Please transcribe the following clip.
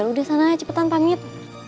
lo di sana aja cepetan pamit